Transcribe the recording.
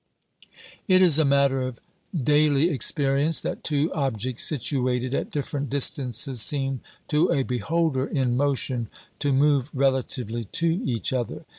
It is a matter of daily experience that two objects situated at different distances seem to a beholder in motion to move relatively to each other.